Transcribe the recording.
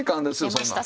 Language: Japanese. そんなん。